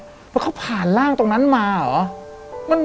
เพราะเขาผ่านร่างตรงนั้นมาเหรอ